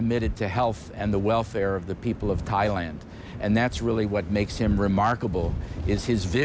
พูดถึงโชคพลักษณะเที่ยวกับศรีมดี